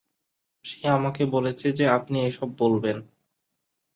সে আমাকে বলেছে যে আপনি এসব বলবেন।